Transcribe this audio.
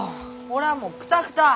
俺はもうくたくた。